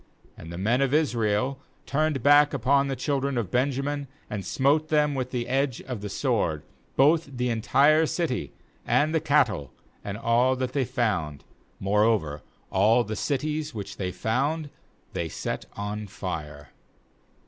48And the men of Israel turned back upon the children of Benjamin, and smote them with the edge of the sword, both the entire city, and the cattle, and all that they found; moreover all the cities which they found they set on fire.